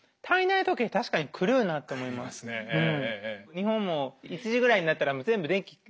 日本も１時ぐらいになったらもう全部電気。